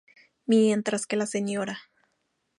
Mientras que la Sra.